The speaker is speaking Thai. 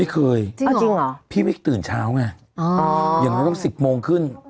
ไม่เคยพี่มิกตื่นเช้าไงอย่างนั้นต้อง๑๐โมงขึ้น